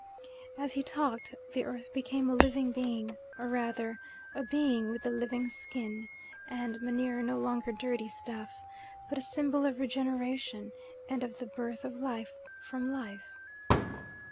As he talked, the earth became a living being or rather a being with a living skin, and manure no longer dirty stuff, but a symbol of regeneration and of the birth of life from life.